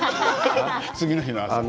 次の日の朝。